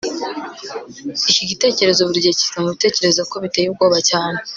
iki gitekerezo burigihe kiza mubitekerezo ko biteye ubwoba cyane